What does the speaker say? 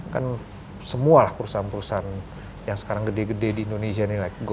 kan semua lah perusahaan perusahaan yang sekarang gede gede di indonesia nih like gojira